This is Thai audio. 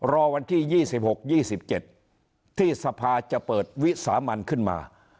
รอวันที่๒๖๒๗ที่สภาจะเปิดวิสามันขึ้นมา